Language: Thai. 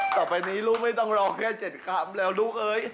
ต่อไปนี้ลูกไม่ต้องรอแค่๗คำแล้วลูกเอ้ย